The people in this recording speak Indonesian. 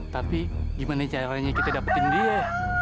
tapi gimana caranya kita dapetin dia